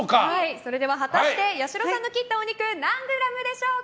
それでは果たして八代さんが切ったお肉何グラムでしょうか。